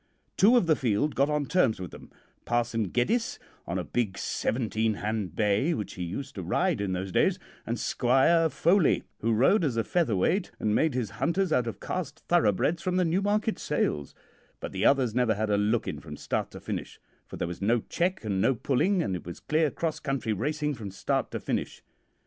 "Two of the field got on terms with them Parson Geddes on a big seventeen hand bay which he used to ride in those days, and Squire Foley, who rode as a feather weight, and made his hunters out of cast thoroughbreds from the Newmarket sales; but the others never had a look in from start to finish, for there was no check and no pulling, and it was clear cross country racing from start to finish.